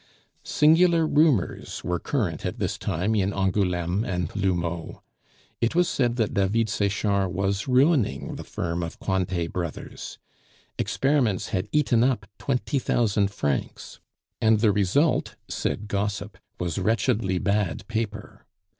Singular rumors were current at this time in Angouleme and L'Houmeau. It was said that David Sechard was ruining the firm of Cointet Brothers. Experiments had eaten up twenty thousand francs; and the result, said gossip, was wretchedly bad paper.